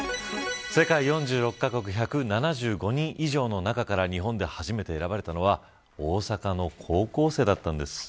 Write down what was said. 世界４６カ国１７５人以上の中から日本で初めて選ばれたのは大阪の高校生だったんです。